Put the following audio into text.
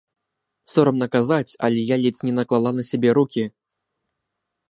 Сорамна казаць, але я ледзь не наклала на сябе рукі.